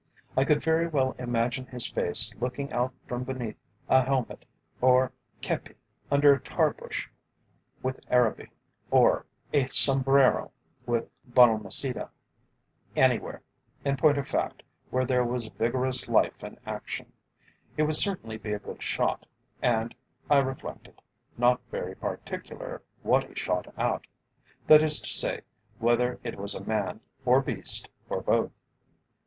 I could very well imagine his face looking out from beneath a helmet or kepi, under a tarbush with Arabi, or a sombrero with Balmaceda anywhere, in point of fact, where there was vigorous life and action. He would certainly be a good shot, and, I reflected, not very particular what he shot at, that is to say, whether it was at man or beast, or both.